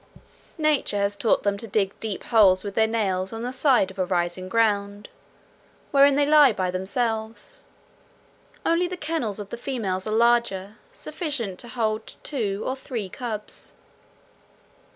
Nature has taught them to dig deep holes with their nails on the side of a rising ground, wherein they lie by themselves; only the kennels of the females are larger, sufficient to hold two or three cubs.